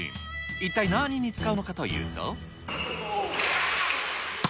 一体何に使うのかというと。